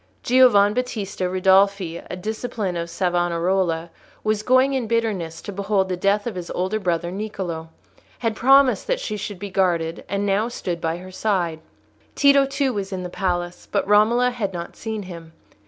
Giovan Battista Ridolfi, a disciple of Savonarola, who was going in bitterness to behold the death of his elder brother Niccolò, had promised that she should be guarded, and now stood by her side. Tito, too, was in the palace; but Romola had not seen him.